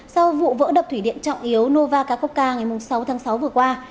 sau vụ vỡ đập thủy điện trọng yếu novakokka ngày sáu tháng sáu vừa qua